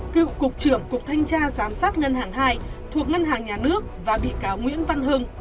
cựu cục trưởng cục thanh tra giám sát ngân hàng hai thuộc ngân hàng nhà nước và bị cáo nguyễn văn hưng